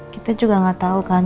kita juga nggak tahu kan